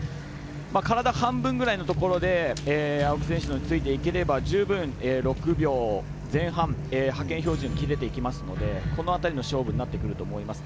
体半分ぐらいのところで青木選手についていければ十分、６秒前半派遣標準、切れていきますのでこの辺りの勝負になってくると思います。